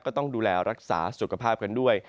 ก็ต้องดูแลรักษาสุขภาพกันด้วย